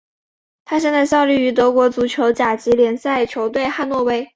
他现在效力于德国足球甲级联赛球队汉诺威。